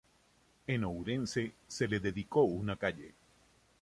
En Ourense se le dedicó una calle.